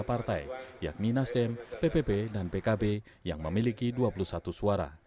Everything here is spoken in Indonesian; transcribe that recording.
pertama pertama pertama pertama pertama